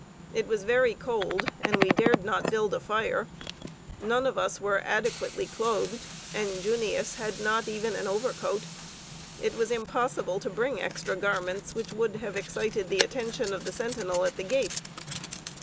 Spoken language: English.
It was very cold, and we dared not build a fire. None of us were adequately clothed, and "Junius" had not even an overcoat. It was impossible to bring extra garments, which would have excited the attention of the sentinel at the gate.